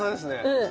うん。